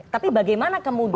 tapi bagaimana kemudian